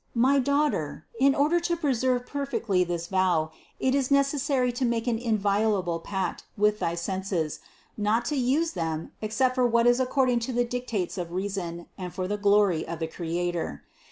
My daughter, in order to preserve perfectly this vow, it is necessary to make an inviolable pact with thy senses, not to use them, except for what is according to the dic tates of reason and for the glory of the Creator.